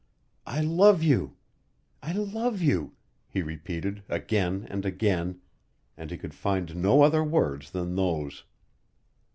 "I love you, I love you," he repeated, again and again, and he could find no other words than those.